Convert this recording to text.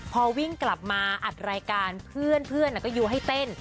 พอวิ่งกลับมาอัดรายการเพื่อนก็ยูให้เต้น